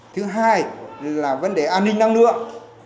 thứ hai là vấn đề an ninh năng lượng